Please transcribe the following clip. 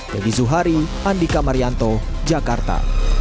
teddy zuhari andika marianto jakarta